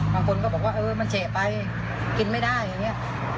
บางคนก็บอกว่าเออมันเฉะไปกินไม่ได้อย่างนี้